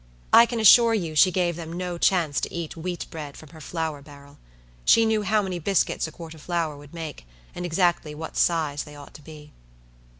I can assure you she gave them no chance to eat wheat bread from her flour barrel. She knew how many biscuits a quart of flour would make, and exactly what size they ought to be.